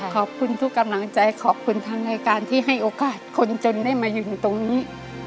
ขอบคุณทุกกำลังใจขอบคุณทางรายการที่ให้โอกาสคนจนได้มายืนตรงนี้